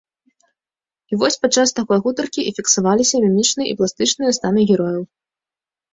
І вось падчас такой гутаркі і фіксаваліся мімічныя і пластычныя станы герояў.